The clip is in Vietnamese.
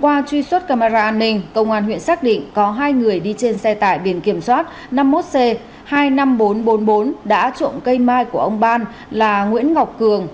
qua truy xuất camera an ninh công an huyện xác định có hai người đi trên xe tải biển kiểm soát năm mươi một c hai mươi năm nghìn bốn trăm bốn mươi bốn đã trộm cây mai của ông ban là nguyễn ngọc cường